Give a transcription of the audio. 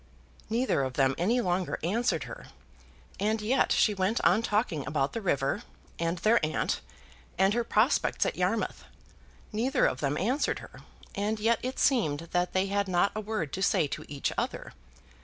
Neither of them any longer answered her, and yet she went on talking about the river, and their aunt, and her prospects at Yarmouth. Neither of them answered her, and yet it seemed that they had not a word to say to each other.